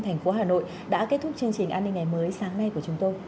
thành phố hà nội đã kết thúc chương trình an ninh ngày mới sáng nay của chúng tôi